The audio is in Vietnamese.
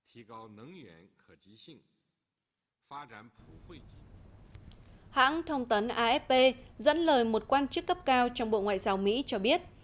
hãng thông tấn afp dẫn lời một quan chức cấp cao trong bộ ngoại giao mỹ cho biết